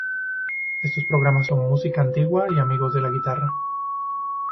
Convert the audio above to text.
Estos programas son: Música Antigua y Amigos de la Guitarra.